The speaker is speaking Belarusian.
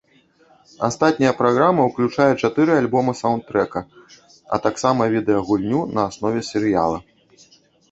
Астатняя праграма ўключае чатыры альбома-саўндтрэка, а таксама відэагульню на аснове серыяла.